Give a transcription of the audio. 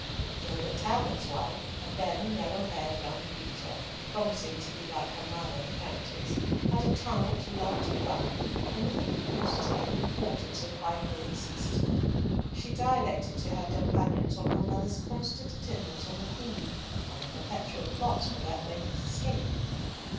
Gilbert Talbot's wife, a thin, yellow haired, young creature, promising to be like her mother, the Countess, had a tongue which loved to run, and with the precocity and importance of wifehood at sixteen, she dilated to her companions on her mother's constant attendance on the Queen, and the perpetual plots for that lady's escape.